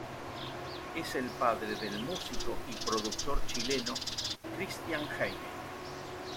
Es el padre del músico y productor chileno Cristián Heyne.